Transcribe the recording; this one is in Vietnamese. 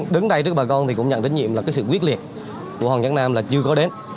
đứng đây trước bà con thì cũng nhận trách nhiệm là cái sự quyết liệt của hoàng nhãn nam là chưa có đến